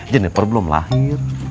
jeniper belum lahir